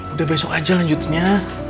udah besok aja lanjutnya